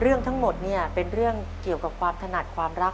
เรื่องทั้งหมดเนี่ยเป็นเรื่องเกี่ยวกับความถนัดความรัก